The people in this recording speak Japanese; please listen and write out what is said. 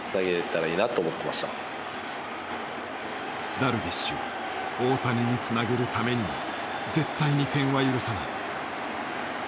ダルビッシュ大谷につなげるためにも絶対に点は許さない。